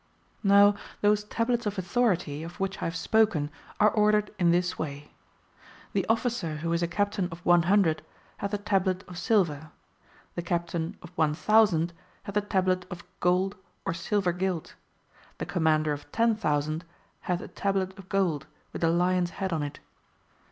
^ Now those Tablets of Authority, of which I have spoken, are ordered in this way. The officer who is a captain of 100 hath a tablet of silver; the captain of 1000 hath a tablet of gold or silver gilt ; the commander of 10,000 hath a tablet of gold, with a lion's head on it.